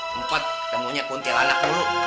tempat temunya kuntilanak dulu